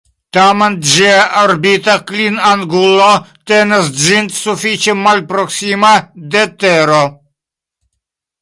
Tamen ĝia orbita klinangulo tenas ĝin sufiĉe malproksima de Tero.